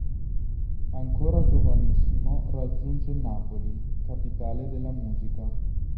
Ancora giovanissimo raggiunge Napoli, capitale della musica.